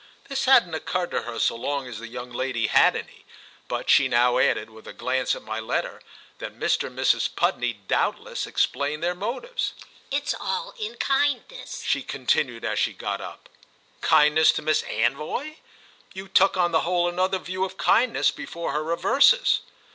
This hadn't occurred to her so long as the young lady had any; but she now added, with a glance at my letter, that Mr. and Mrs. Pudney doubtless explained their motives. "It's all in kindness," she continued as she got up. "Kindness to Miss Anvoy? You took, on the whole, another view of kindness before her reverses."